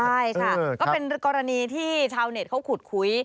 ใช่ค่ะก็เป็นกรณีที่ชาวเน็ตเขาขุดคุย